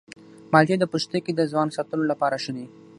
مالټې د پوستکي د ځوان ساتلو لپاره ښه دي.